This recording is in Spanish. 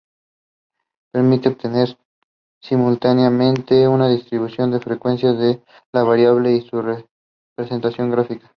Permite obtener simultáneamente una distribución de frecuencias de la variable y su representación gráfica.